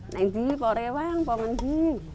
nanti kalau ada apa yang ada